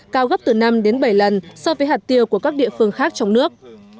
cao gấp từ năm đến bảy lần so với hạt tiêu của các địa phương khác trong nước